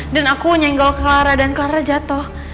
dan aku nyenggol clara dan clara jatuh